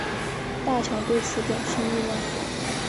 大场对此表示意外。